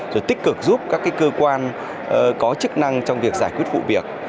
rồi tích cực giúp các cơ quan có chức năng trong việc giải quyết vụ việc